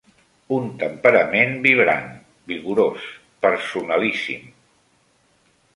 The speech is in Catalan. Un temperament vibrant, vigorós, personalíssim.